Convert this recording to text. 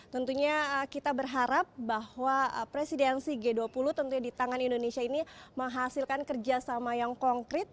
tentunya kita berharap bahwa presidensi g dua puluh tentunya di tangan indonesia ini menghasilkan kerjasama yang konkret